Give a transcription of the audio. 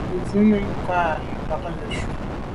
Bín tsín nə̀ ngə́ kwâ’ mbâdə́ cú.